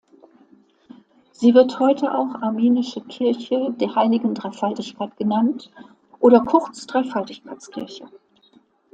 Sie wird heute auch Armenische Kirche der Heiligen Dreifaltigkeit genannt oder kurz Dreifaltigkeitskirche.